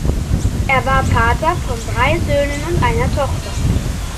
Er war Vater von drei Söhnen und einer Tochter.